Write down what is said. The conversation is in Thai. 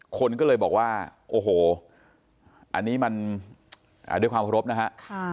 คนก็เลยบอกว่าโอ้โหอันนี้มันด้วยความเคารพนะฮะ